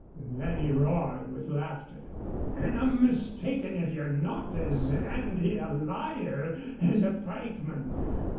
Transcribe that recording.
Then he roared with laughter. "An' I'm mistaken if ye're not as 'andy a liar as a pikeman.